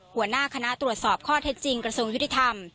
หัวหน้าคณะตรวจสอบข้อเท็จจริงกระทรวงยุติธรรม